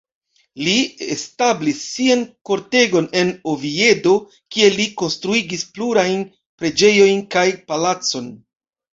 Li establis sian kortegon en Oviedo, kie li konstruigis plurajn preĝejojn kaj palacon.